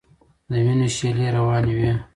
د وینو شېلې روانې وې.